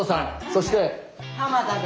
そして？